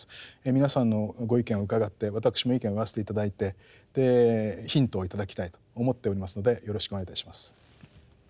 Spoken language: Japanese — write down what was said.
皆さんのご意見を伺って私も意見を言わせて頂いてヒントを頂きたいと思っておりますのでよろしくお願いいたします。